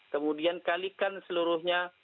kemudian kalikan seluruhnya